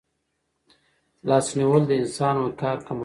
لاس نیول د انسان وقار کموي.